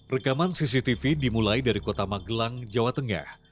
rekaman cctv dimulai dari kota magelang jawa tengah